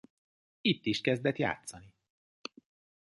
Itt is kezdett játszani.